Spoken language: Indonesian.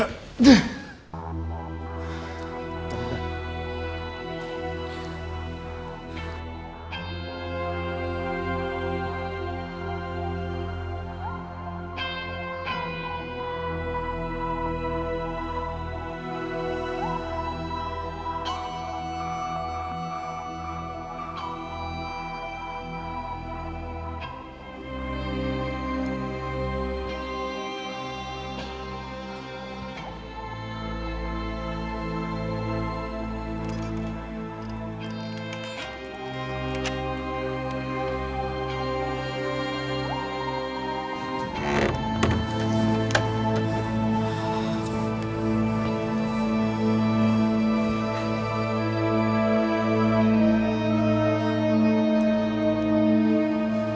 aku mau ke rumah